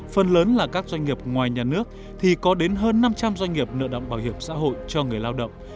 phần lớn là các doanh nghiệp ngoài nhà nước thì có đến hơn năm trăm linh doanh nghiệp nợ động bảo hiểm xã hội cho người lao động